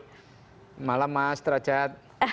selamat malam mas drajat